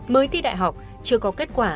mới thi đại học chưa có kết quả